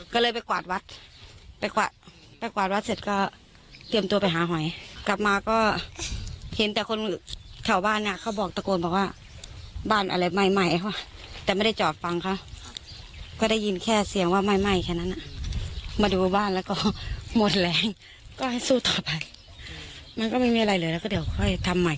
ก็ให้สู้ต่อไปมันก็ไม่มีอะไรเหลือแล้วก็เดี๋ยวค่อยทำใหม่